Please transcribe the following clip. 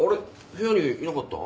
部屋にいなかった？